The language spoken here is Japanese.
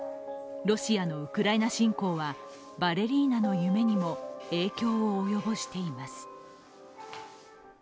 ロシアのウクライナ侵攻はバレリーナの夢にも影響を及ぼしています。